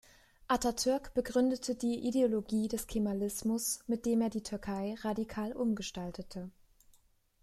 Atatürk begründete die Ideologie des Kemalismus, mit dem er die Türkei radikal umgestaltete.